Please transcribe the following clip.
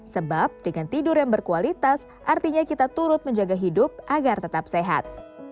sebab dengan tidur yang berkualitas artinya kita turut menjaga hidup agar tetap sehat